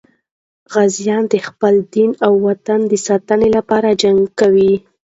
غازیان د خپل دین او وطن د ساتنې لپاره جنګ کوي.